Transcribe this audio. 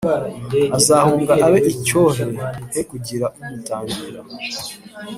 azahunga abe icyohe he kugira umutangira